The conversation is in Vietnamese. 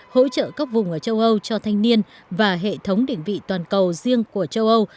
hỗ trợ các vùng ở châu âu cho thanh niên và hệ thống định vị toàn cầu riêng của châu âu